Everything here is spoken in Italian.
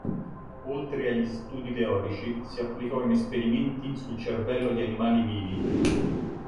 Oltre agli studi teorici, si applicò in esperimenti sul cervello di animali vivi.